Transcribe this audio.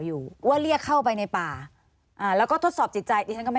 อยู่ว่าเรียกเข้าไปในป่าอ่าแล้วก็ทดสอบจิตใจดิฉันก็ไม่